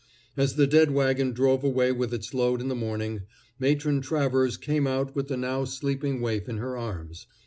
As the dead wagon drove away with its load in the morning, Matron Travers came out with the now sleeping waif in her arms.